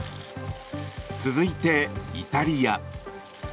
続いてイタリア。